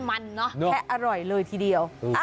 แค่อร่อยทีเดียว